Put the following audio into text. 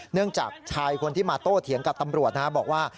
เนื่องจากชายคนที่มาโต้เถียงกับตำรวจบอกว่า